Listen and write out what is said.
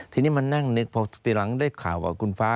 ทีนี้มานั่งนึกพอทีหลังได้ข่าวกับคุณฟ้า